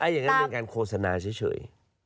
อย่างนั้นเป็นการโฆษณาเฉย